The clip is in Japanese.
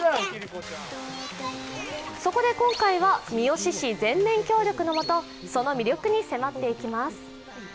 そこで今回は、三次市全面協力のもと、その魅力に迫っていきます。